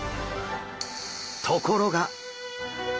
ところが！